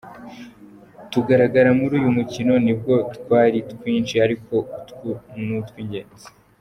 tugaragara muri uyu mukino nubwo twari twinshi ariko utu ni utwingenzi.